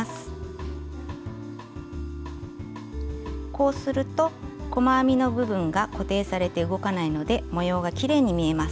こうすると細編みの部分が固定されて動かないので模様がきれいに見えます。